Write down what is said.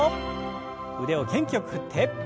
腕を元気よく振って。